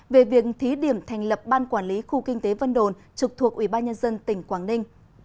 về việc thí điểm thành lập ban quản lý khu kinh tế vân đồn trục thuộc ubnd tỉnh quảng ninh